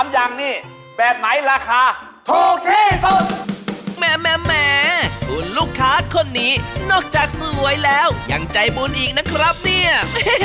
แหม้แหม้แหม้ทุนลูกค้าคนนี้นอกจากซวยแล้วยังใจบุญอีกนะครับเนี้ย